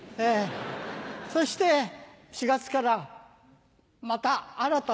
そして４月からまた新たに。